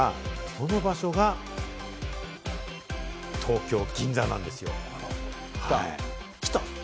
その場所が東京・銀座なんですよ。来た！